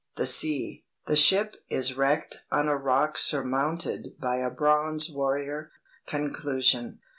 The Sea. The Ship is Wrecked on a Rock Surmounted by a Bronze Warrior. Conclusion."